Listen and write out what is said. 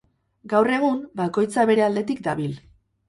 Gaur egun, bakoitza bere aldetik dabil.